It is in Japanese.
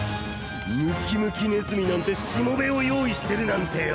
ムキムキねずみなんてしもべを用意してるなんてよ！